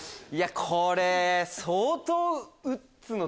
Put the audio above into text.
これ相当。